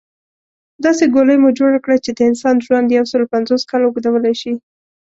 داسې ګولۍ مو جوړه کړه چې د انسان ژوند يوسل پنځوس کاله اوږدولی شي